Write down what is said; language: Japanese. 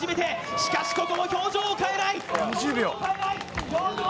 しかし、ここも表情を変えない。